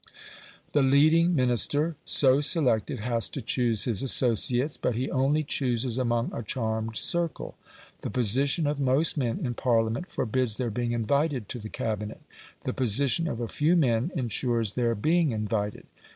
The leading Minister so selected has to choose his associates, but he only chooses among a charmed circle. The position of most men in Parliament forbids their being invited to the Cabinet; the position of a few men ensures their being invited.